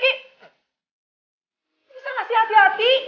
lu bisa gak sih hati hati